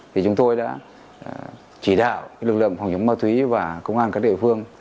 thì chúng tôi đã chỉ đạo lực lượng phòng chống ma túy và công an các địa phương